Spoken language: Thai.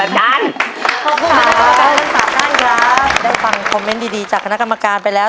ขอบคุณครับทั้งสามท่านครับได้ฟังคอมเมนต์ดีดีจากคณะกรรมการไปแล้ว